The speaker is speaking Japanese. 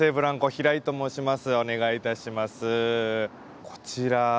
平井と申します。